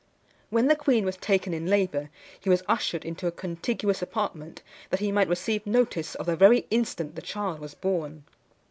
When the queen was taken in labour, he was ushered into a contiguous apartment, that he might receive notice of the very instant the child was born.